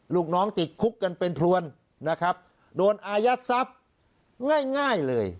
ลูกน้องติดคุกกันเป็นพลวนนะครับโดนอายัดทรัพย์ง่ายเลย